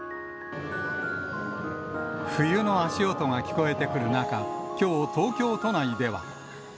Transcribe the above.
冬の足音が聞こえてくる中、きょう、東京都内では。